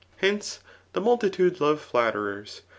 Hcac^ the multitude love flatterers.